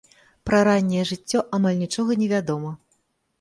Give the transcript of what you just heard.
Пра ранняе жыццё амаль нічога невядома.